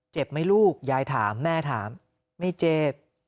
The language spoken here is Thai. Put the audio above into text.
ไหมลูกยายถามแม่ถามไม่เจ็บ